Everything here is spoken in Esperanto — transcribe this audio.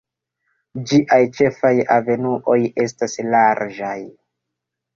Ĝiaj ĉefaj avenuoj estas larĝaj.